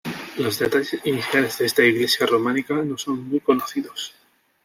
Los detalles iniciales de esta iglesia románica no son muy conocidos.